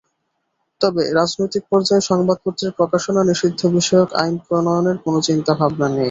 তবে রাজনৈতিক পর্যায়ে সংবাদপত্রের প্রকাশনা নিষিদ্ধবিষয়ক আইন প্রণয়নের কোনো চিন্তাভাবনা নেই।